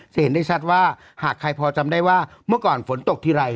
เห็นได้ชัดว่าหากใครพอจำได้ว่าเมื่อก่อนฝนตกทีไร